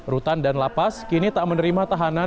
rutan dan lapas kini tak menerima tahanan